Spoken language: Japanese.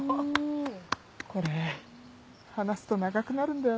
これ話すと長くなるんだよな。